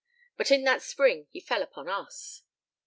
But in that spring he fell upon us.